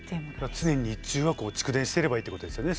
常に日中は蓄電してればいいってことですよね